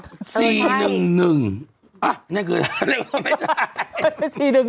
นี่คืออะไรไม่ใช่